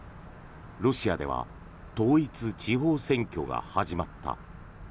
ロシアでは統一地方選挙が始まった。